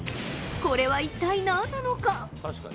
これは一体何なのか。